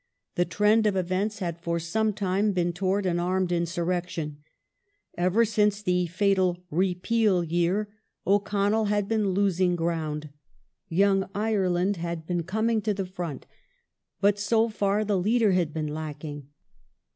The trend of events had for some time been towards an armed insurrection. Ever since the fatal " Repeal Year " O'Connell had been losing ground ;" Young Ireland " had been coming to the front ; but so far the leader had been lacking.